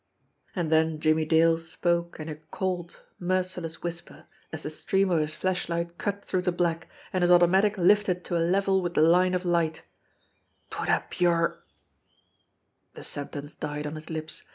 And then Jimmie Dale spoke in a cold, merciless whisper, as the stream of his flashlight cut through the black, and his automatic lifted to a level with the line of light: "Put up your " The sentence died on his lips.